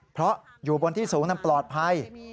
เพราะอยู่บนที่สูงนั้นปลอดภัย